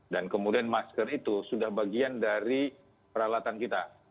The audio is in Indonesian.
dan kemudian masker itu sudah bagian dari peralatan kita